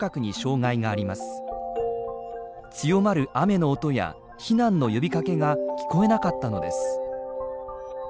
強まる雨の音や避難の呼びかけが聞こえなかったのです。